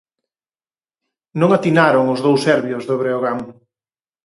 Non atinaron os dous serbios do Breogán.